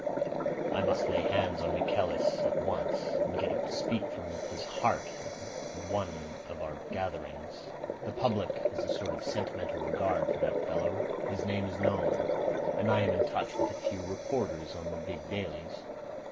"I must lay hands on Michaelis at once, and get him to speak from his heart at one of our gatherings. The public has a sort of sentimental regard for that fellow. His name is known. And I am in touch with a few reporters on the big dailies.